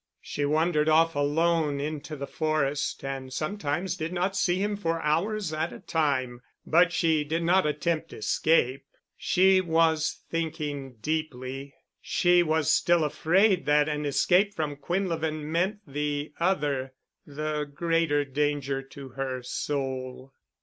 She wandered off alone into the forest, and sometimes did not see him for hours at a time, but she did not attempt escape. She was thinking deeply. She was still afraid that an escape from Quinlevin meant the other—the greater danger to her soul.